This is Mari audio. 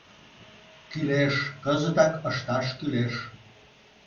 — Кӱлеш, кызытак ышташ кӱлеш.